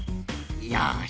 よし！